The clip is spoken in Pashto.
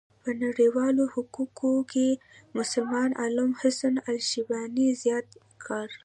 په نړيوالو حقوقو کې مسلمان عالم حسن الشيباني زيات کار